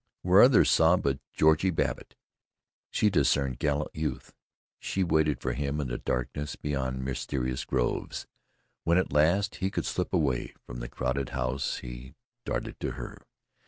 Where others saw but Georgie Babbitt, she discerned gallant youth. She waited for him, in the darkness beyond mysterious groves. When at last he could slip away from the crowded house he darted to her.